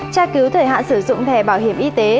tra cứu thời hạn sử dụng thẻ bảo hiểm y tế